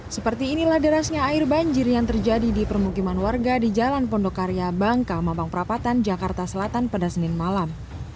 seperti inilah derasnya air banjir yang terjadi di permukiman warga di jalan pondokarya bangka mampang perapatan jakarta selatan pada senin malam